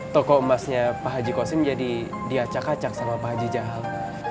toko emasnya pak haji kosim jadi diacak acak sama pak haji jahat